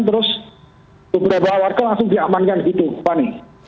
terus beberapa warga langsung diamankan gitu fani